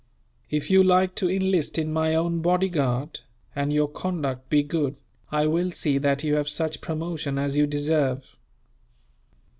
If you like to enlist in my own bodyguard, and your conduct be good, I will see that you have such promotion as you deserve."